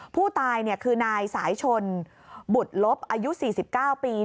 ผู้ตายคือนายสายชนบุตรลบอายุ๔๙ปี